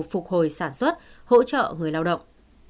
phục hồi sản xuất hỗ trợ người lao động